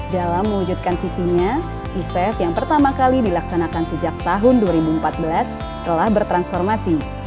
dalam mewujudkan visinya e se yang pertama kali dilaksanakan sejak tahun dua ribu empat belas telah bertransformasi